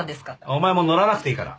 お前も乗らなくていいから。